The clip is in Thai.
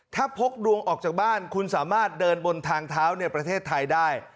ถ้าพกดวงออกจากบ้านคุณสามารถเดินบนทางเท้าในประเทศไทยได้